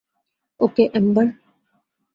ওকে, ember.